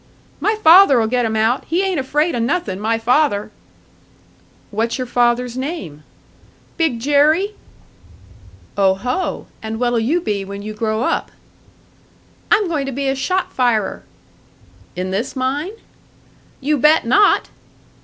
"My father'll get 'em out. He ain't afraid o' nothin', my father!" "What's your father's name?" "Big Jerry." "Oho! And what'll you be when you grow up?" "I'm goin' to be a shot firer." "In this mine?" "You bet not!"